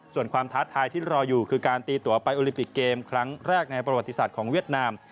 ส่วนความท้าทายที่รออยู่คือการตีตัวไปโอลิมปิกเกมครั้งแรกในประวัติศาสตร์ของเวียดนาม